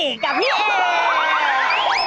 กับพี่เอ